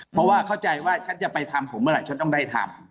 เพราะว่าเข้าใจว่าฉันจะไปทำผมเมื่อไหรฉันต้องได้ทำ